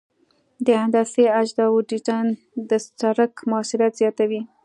د هندسي اجزاوو ډیزاین د سرک موثریت زیاتوي